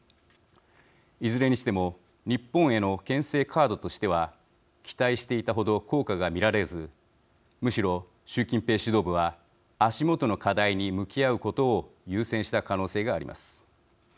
いずれにしても日本へのけん制カードとしては期待していたほど効果が見られずむしろ習近平指導部は足元の課題に向き合うことを優先した可能性があります。